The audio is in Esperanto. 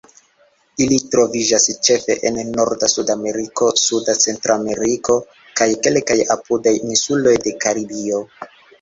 Ili troviĝas ĉefe en norda Sudameriko, suda Centrameriko, kaj kelkaj apudaj insuloj de Karibio.